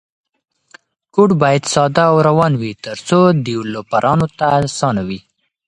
کوډ باید ساده او روان وي ترڅو ډیولپرانو ته اسانه وي.